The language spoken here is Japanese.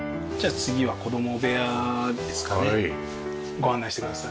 ご案内してください。